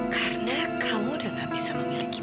karena kamu udah gak bisa memiliki